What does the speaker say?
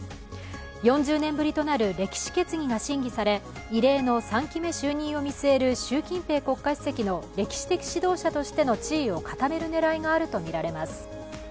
４０年ぶりとなる歴史決議が審議され異例の３期目就任を見据える習近平国家主席の歴史的指導者としての地位を固める狙いがあるとみられます。